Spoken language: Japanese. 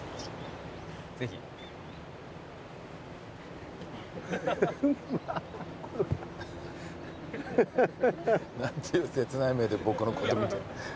ぜひ。何ていう切ない目で僕のこと見て。